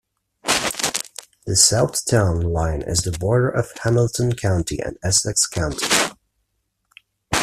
The south town line is the border of Hamilton County and Essex County.